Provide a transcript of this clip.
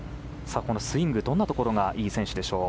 スイング、どんなところがいい選手でしょう。